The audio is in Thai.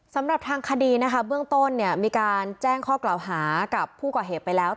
สำหรับทางคดีนะคะเบื้องต้นเนี่ยมีการแจ้งข้อกล่าวหากับผู้ก่อเหตุไปแล้ว